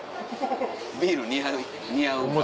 ビール似合う顔。